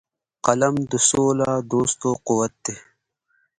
قلم د سولهدوستو قوت دی